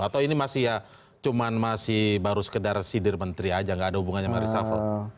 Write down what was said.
atau ini masih ya cuma masih baru sekedar sidir menteri aja gak ada hubungannya sama reshuffle